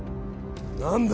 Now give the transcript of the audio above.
何だ